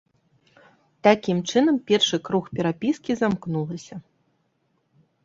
Такім чынам першы круг перапіскі замкнулася.